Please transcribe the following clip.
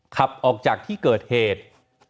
ขับออกจากที่เกิดเหตุ